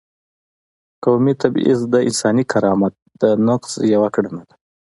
قومي تبعیض د انساني کرامت د نقض یوه کړنه ده.